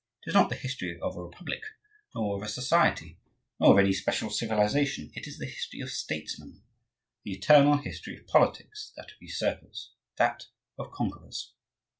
It is not the history of a republic, nor of a society, nor of any special civilization; it is the history of statesmen, the eternal history of Politics,—that of usurpers, that of conquerors.